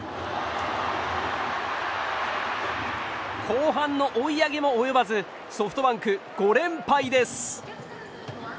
後半の追い上げも及ばずソフトバンク、５連敗です。